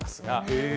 へえ！